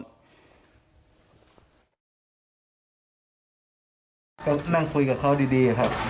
ที่มีภาพหน้าอาญาเข้าร่วมของเป็นน้านที่ให้ได้พ่ี่ธรรมชีพ